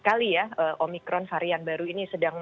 sekali ya omikron varian baru ini sedang masuk